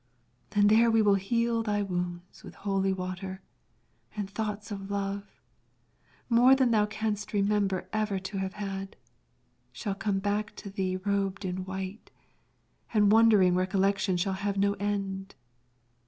And there we will heal thy wounds with holy water, and thoughts of love, more than thou canst remember ever to have had, shall come back to thee robed in white, and wondering recollection shall have no end.